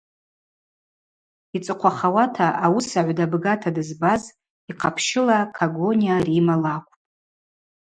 Йцӏыхъвахауата ауысагӏв дабгата дызбаз йхъапщыла Когониа Рима лакӏвпӏ.